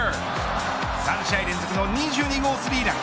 ３試合連続の２２号スリーラン。